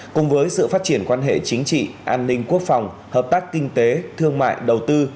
cùng với sự phát triển quan hệ chính trị an ninh quốc phòng hợp tác kinh tế thương mại đầu tư